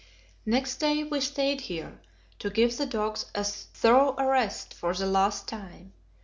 Next day we stayed here to give the dogs a thorough rest for the last time.